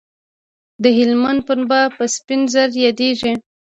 د هلمند پنبه په سپین زر یادیږي